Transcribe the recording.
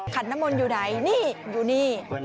ขันน้ำมนต์อยู่ไหนนี่อยู่นี่